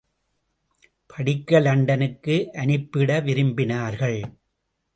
படிக்க லண்டனுக்கு அனுப்பிட விரும்பினார்கள்.